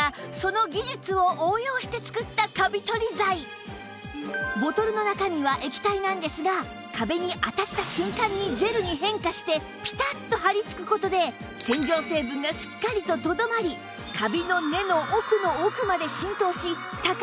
実はこちらボトルの中身は液体なんですが壁に当たった瞬間にジェルに変化してピタッと張りつく事で洗浄成分がしっかりととどまりカビの根の奥の奥まで浸透し高い効果を発揮